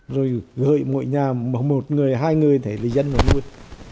rồi gợi mỗi nhà một người hai người thế là dân nó nuôi